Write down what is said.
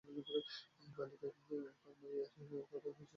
তালিকায় তাঁর মায়ের নামে কার্ড হয়েছে দেখা গেলেও তাঁরা কার্ড পাননি।